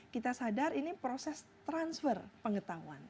kita sadar ini proses transfer pengetahuan